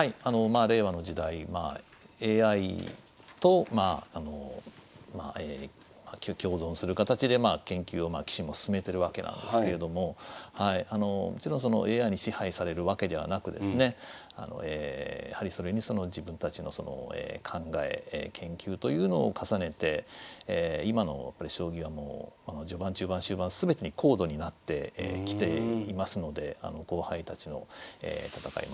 まあ令和の時代ＡＩと共存する形で研究をまあ棋士も進めてるわけなんですけれどももちろんそのＡＩに支配されるわけではなくですねやはりそれに自分たちの考え研究というのを重ねて今の将棋はもう序盤中盤終盤全てに高度になってきていますので後輩たちの戦い